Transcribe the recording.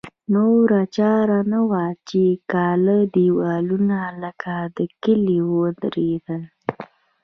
نوره چاره نه وه چې کاله دېوالونه لکه د کلي ودرېدل.